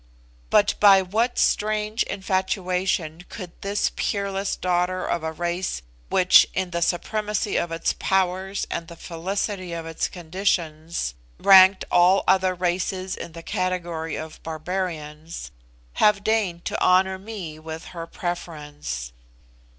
But by what strange infatuation could this peerless daughter of a race which, in the supremacy of its powers and the felicity of its conditions, ranked all other races in the category of barbarians, have deigned to honour me with her preference?